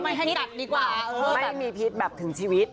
ให้จัดดีกว่าไม่มีพิษแบบถึงชีวิต